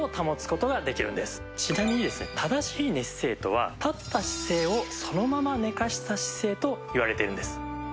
ちなみにですね正しい寝姿勢とは立った姿勢をそのまま寝かせた姿勢と言われているんです。